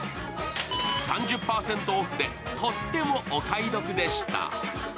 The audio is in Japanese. ３０％オフでとってもお買い得でした。